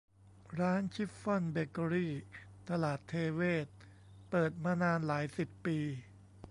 ร้านชิฟฟ่อนเบเกอรี่ ตลาดเทเวศร์ เปิดมานานหลายสิบปี